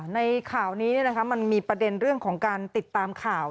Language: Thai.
ในข่าวนี้มันมีประเด็นเรื่องของการติดตามข่าว